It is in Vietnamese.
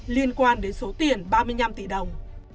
liên quan đến số tiền ba mươi năm tỷ đồng